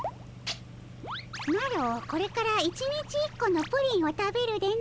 マロこれから１日１個のプリンを食べるでの。